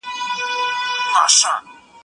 هغه وویل چې خوله کول د بدن بیولوژیکي فعالیت دی.